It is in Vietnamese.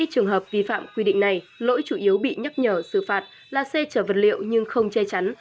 hai mươi trường hợp vi phạm quy định này lỗi chủ yếu bị nhắc nhở xử phạt là xe chở vật liệu nhưng không che chắn